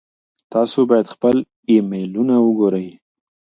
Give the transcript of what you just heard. تاسو باید خپل ایمیلونه وګورئ.